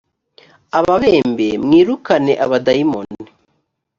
ababembe mwirukane abadayimoni